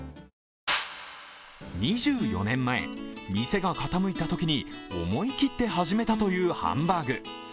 ２４年前、店が傾いたときに思い切って始めたというハンバーグ。